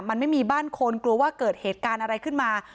มันไม่มีบ้านคนกลัวว่าเกิดเหตุการณ์อะไรขึ้นมา